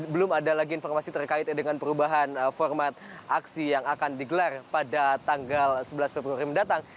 belum ada lagi informasi terkait dengan perubahan format aksi yang akan digelar pada tanggal sebelas februari mendatang